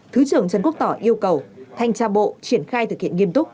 thứ trưởng trần quốc tỏ yêu cầu thanh tra bộ triển khai thực hiện nghiêm túc